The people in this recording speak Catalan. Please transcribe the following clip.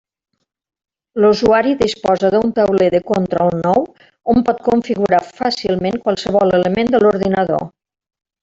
L'usuari disposa d'un tauler de control nou on pot configurar fàcilment qualsevol element de l'ordinador.